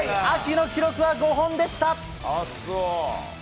アキの記録は５本でした。